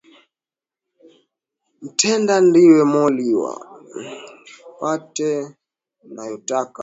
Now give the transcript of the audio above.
Mtenda ndiwe Moliwa, nipate niyatakayo.